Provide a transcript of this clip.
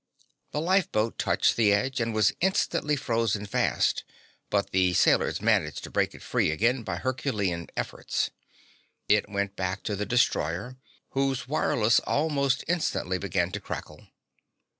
The lifeboat touched the edge and was instantly frozen fast, but the sailors managed to break it free again by herculean efforts. It went back to the destroyer, whose wireless almost instantly began to crackle.